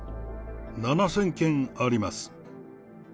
７０００件あります。